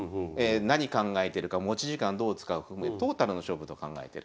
何考えてるか持ち時間どう使うかというトータルの勝負と考えてる。